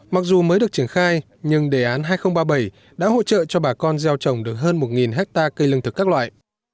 mặc dù mới được triển khai nhưng đề án hai nghìn ba mươi bảy đã hỗ trợ cho bà con gieo trồng được hơn một hectare cây lương thực các loại